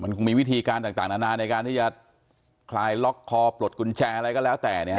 คงมีวิธีการต่างนานาในการที่จะคลายล็อกคอปลดกุญแจอะไรก็แล้วแต่เนี่ยฮ